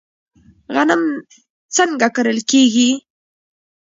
غنم څنګه کرل کیږي؟